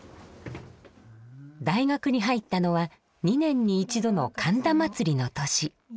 大学に入ったのは２年に一度の神田祭の年。